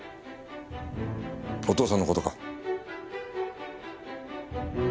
お父さんの事か？